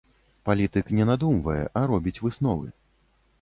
Палітык не надумвае, а робіць высновы.